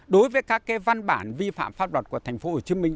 đối với các cái văn bản vi phạm pháp luật của thành phố hồ chí minh